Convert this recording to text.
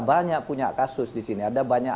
banyak punya kasus di sini ada banyak